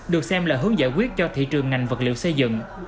được xem là hướng giải quyết cho thị trường ngành vật liệu xây dựng